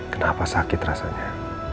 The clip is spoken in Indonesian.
kenapa sakit rasanya